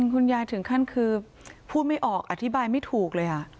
คุณยายถึงขั้นคือพูดไม่ออกอธิบายไม่ถูกเลย